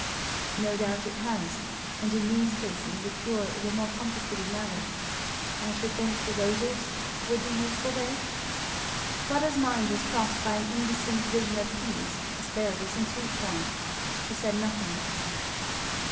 "No doubt it has; and in these cases the cure is a more complicated matter. I should think the roses would be useful there?" Fleda's mind was crossed by an indistinct vision of peas, asparagus, and sweet corn; she said nothing.